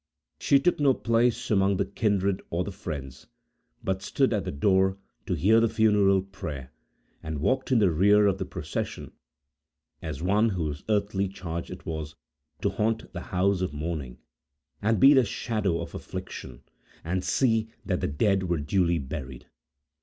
She took no place among the kindred or the friends, but stood at the door to hear the funeral prayer, and walked in the rear of the procession, as one whose earthly charge it was to haunt the house of mourning, and be the shadow of affliction, and see that the dead were duly buried.